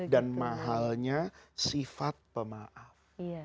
dan mahalnya sifat pemaaf